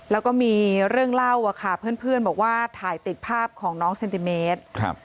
แล้วก็มีเรื่องเล่าอะค่ะเพื่อนบอกว่าถ่ายติดภาพของน้องเซนติเมตร